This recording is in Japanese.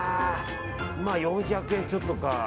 まあ、４００円ちょっとか。